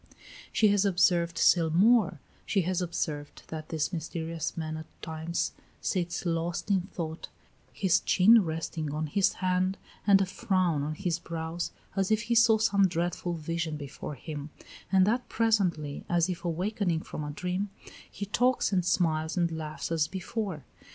She has observed still more: she has observed that this mysterious man at times sits lost in thought, his chin resting on his hand and a frown on his brows, as if he saw some dreadful vision before him, and that presently, as if awakening from a dream, he talks and smiles and laughs as before.